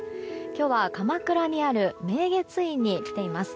今日は鎌倉にある明月院に来ています。